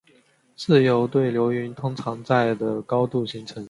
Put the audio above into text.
自由对流云通常在的高度形成。